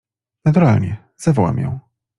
— Naturalnie… zawołam ją.